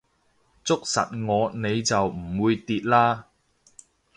捉實我你就唔會跌啦